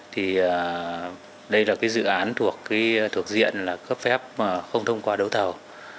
thì đây là dự án thuộc diện cấp phép không thông qua đấu thầu